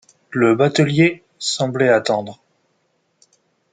Le batelier semblait attendre.